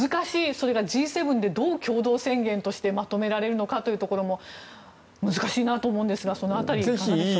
それがＧ７で共同宣言としてまとめられるのかも難しいなと思うんですがその辺り、いかがでしょう。